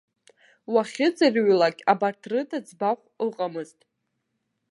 Уахьыӡырҩлак абарҭ рыда ӡбахә ыҟамызт.